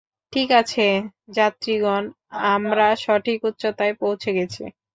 ঠিক আছে, যাত্রীগণ, আমরা সঠিক উচ্চতায় পোঁছে গেছি।